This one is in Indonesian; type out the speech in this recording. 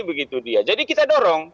begitu dia jadi kita dorong